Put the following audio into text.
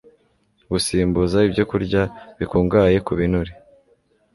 Gusimbuza ibyokurya bikungahaye ku binure